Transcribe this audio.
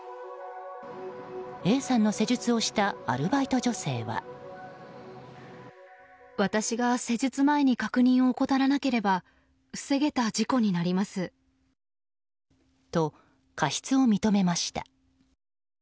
Ａさんの施術をしたアルバイト女性は。と、過失を認めました。